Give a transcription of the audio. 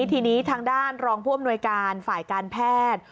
ทีนี้ทางด้านรองผู้อำนวยการฝ่ายการแพทย์